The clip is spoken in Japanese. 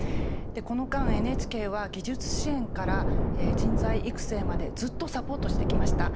この間、ＮＨＫは技術支援から人材育成までずっとサポートしてきました。